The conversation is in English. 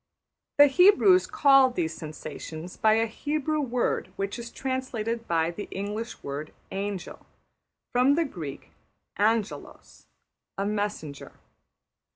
The Hebrews called these sensations by a Hebrew word which is translated by the English word ``angel,'' from the Greek ``angelos,'' a messenger.